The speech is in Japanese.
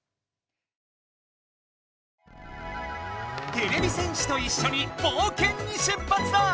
てれび戦士といっしょにぼうけんにしゅっぱつだ！